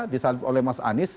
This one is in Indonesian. disalib oleh mas anies